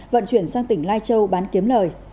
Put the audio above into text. vận chuyển sang tỉnh lai châu bán kiếm lời